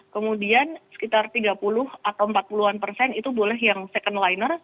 kemudian sekitar tiga puluh atau empat puluh an persen itu boleh yang second liner